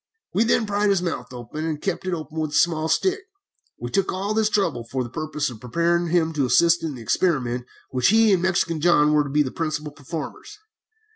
We then pried his mouth open, and kept it open with a small stick. We took all this trouble for the purpose of preparing him to assist in an experiment in which he and Mexican John were to be the principal performers.